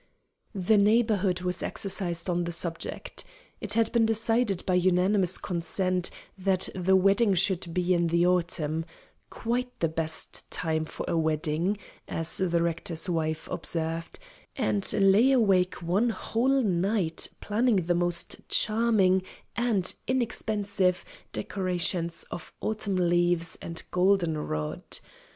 The Neighborhood was exercised on the subject. It had been decided by unanimous consent that the wedding should be in the autumn "quite the best time for a wedding" as the Rector's wife observed, and lay awake one whole night planning the most charming (and inexpensive) decorations of autumn leaves and golden rod.